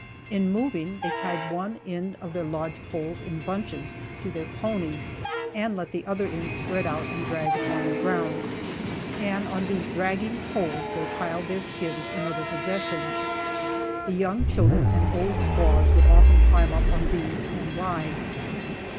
In moving they tied one end of their lodge poles in bunches to their ponies and let the other ends spread out and drag upon the ground, and on these dragging poles they piled their skins and other possessions. The young children and old squaws would often climb up on these and ride.